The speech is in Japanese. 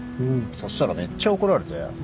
そしたらめっちゃ怒られて